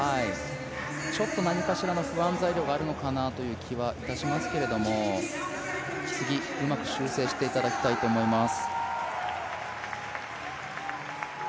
ちょっと何かしらの不安材料があるのかなという気はいたしますけど、次、うまく修正していただきたいと思います。